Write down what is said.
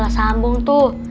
udah sambung tuh